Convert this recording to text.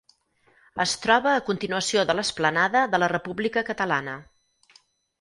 Es troba a continuació de l'Esplanada de la República Catalana.